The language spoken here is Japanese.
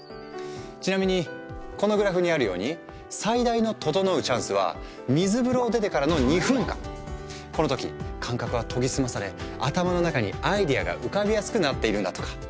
ちなみにこのグラフにあるように最大の「ととのう」チャンスは水風呂を出てからのこの時感覚は研ぎ澄まされ頭の中にアイデアが浮かびやすくなっているんだとか。